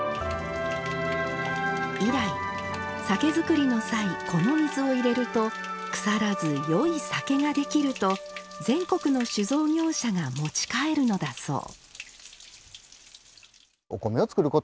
以来酒造りの際この水を入れると腐らずよい酒ができると全国の酒造業者が持ち帰るのだそう